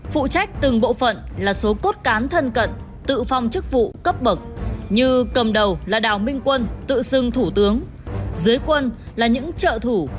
phụ trách từng bộ phận là số cốt cán thân cận tự phong chức vụ cấp bậc như cầm đầu là đào minh quân tự xưng thủ tướng dưới quân là những trợ thủ